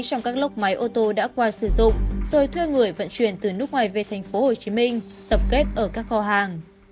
trong các lốc máy ô tô đã qua sử dụng rồi thuê người vận chuyển từ nước ngoài về thành phố hồ chí minh tập kết ở các kho hàng